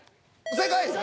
正解！